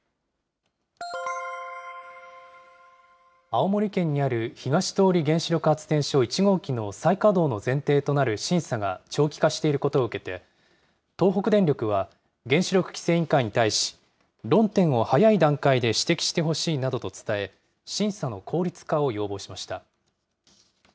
青森県にある東通原子力発電所１号機の再稼働の前提となる審査が長期化していることを受けて、東北電力は、原子力規制委員会に対し、論点を早い段階で指摘してほしいなどと伝え、審査の効率化を要望しました。